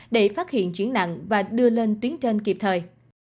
để phát hiện chuyển nặng và đưa lên tuyến trên kịp thời